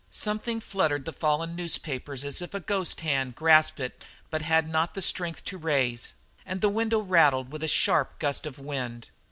Something fluttered the fallen newspaper as if a ghost hand grasped it but had not the strength to raise; and the window rattled, with a sharp gust of wind.